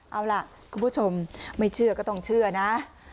เอาล่ะคุณผู้ชมไม่เชื่อก็ต้องเชื่อนะ